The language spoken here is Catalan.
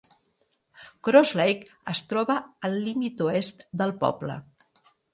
Cross Lake es troba al límit oest del poble.